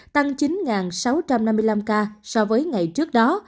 tăng chín sáu trăm năm mươi năm ca so với ngày trước đó